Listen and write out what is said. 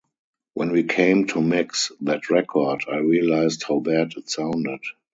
When we came to mix that record, I realized how bad it sounded.